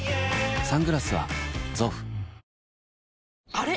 あれ？